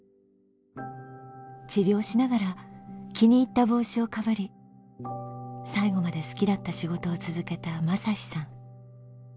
治療しながら気に入った帽子をかぶり最後まで好きだった仕事を続けた雅司さん。